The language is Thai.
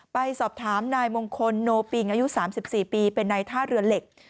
ไปสอบถามนายมงคลโนปิงอายุ๓๔ปีเป็นนายท่าเรือเหล็ก